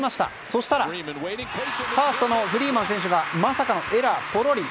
そしたら、ファーストのフリーマン選手がまさかのエラーぽろり。